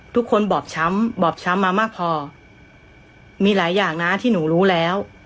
บอบช้ำบอบช้ำมามากพอมีหลายอย่างนะที่หนูรู้แล้ว